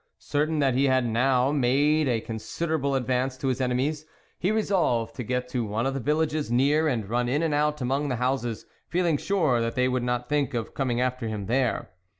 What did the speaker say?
Certain that he had now made a con siderable advance on his enemies, he re solved to get to one of the villages near and run in and out among the houses, feeling sure that they would not think of coming after him there.